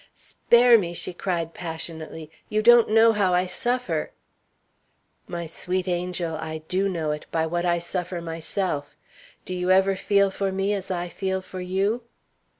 "Spare me!" she cried, passionately. "You don't know how I suffer." "My sweet angel, I do know it by what I suffer myself! Do you ever feel for me as I feel for you?"